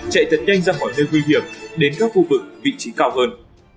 chạy thật nhanh ra khỏi nơi nguy hiểm đến các khu vực vị trí cao hơn